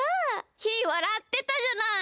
ひー、わらってたじゃない。